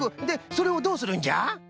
でそれをどうするんじゃ？